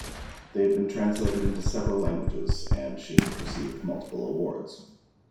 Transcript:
They have been translated into several languages, and she has received multiple awards.